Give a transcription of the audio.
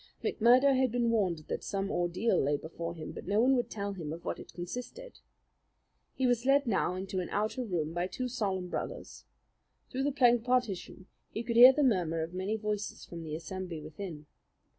McMurdo had been warned that some ordeal lay before him; but no one would tell him in what it consisted. He was led now into an outer room by two solemn brothers. Through the plank partition he could hear the murmur of many voices from the assembly within.